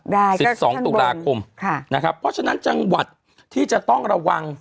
สิบสองตุลาคมค่ะนะครับเพราะฉะนั้นจังหวัดที่จะต้องระวัง